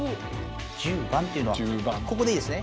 １０番っていうのはここでいいですね。